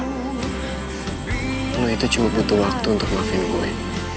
lo itu cuma butuh waktu untuk maafin gue